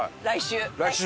来週。